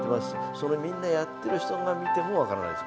そのみんなやってる人が見ても分からないです